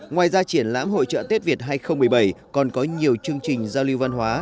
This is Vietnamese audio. ngoài ra triển lãm hội trợ tết việt hai nghìn một mươi bảy còn có nhiều chương trình giao lưu văn hóa